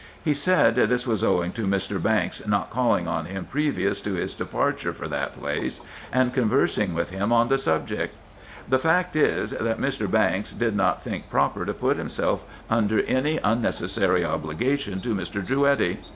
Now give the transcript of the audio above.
He said, this was owing to Mr. Rankes not calling on him previous to his departure for that place, and conversing with him on the subject. The fact is, that Mr. Bankes did not think proper to put himself under an unnecessary obligation 3 D 370 RESEARCHES AND OPERATIONS to Mr. Drouetti.